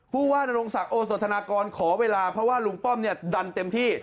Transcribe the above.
ผู้ว่านรงศักดิ์โอสธนากรขอเวลาเพราะว่าลุงป้อมเนี่ยดันเต็มที่